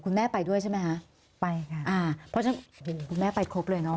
คุณแม่ไปด้วยใช่ไหมคะไปค่ะอ่าเพราะฉะนั้นคุณแม่ไปครบเลยเนาะ